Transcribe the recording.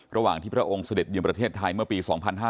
ระหว่างที่พระองค์เสด็จเยือนประเทศไทยเมื่อปี๒๕๕๙